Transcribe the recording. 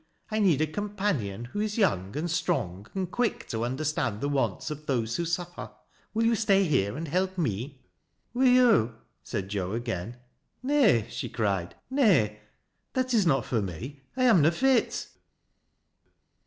I need a companion who is youug and strong, and quick to understand the wants of those who suffer. Will you stay here and help me ?"" Wi' yo' ?" said Joan again, " Nay," she cried ;" nay — that is not fur me. I am na fit."